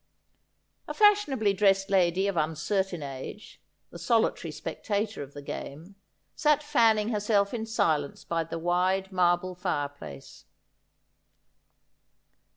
A fashionably dressed lady of uncertain age, the solitary spectator of the game, sat fanning herself in silence by the wide marble fire place.